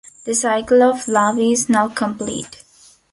The cycle of love is now complete.